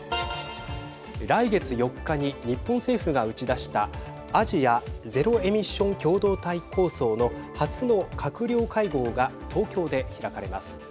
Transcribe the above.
来月４日に日本政府が打ち出したアジア・ゼロエミッション共同体構想の初の閣僚会合が東京で開かれます。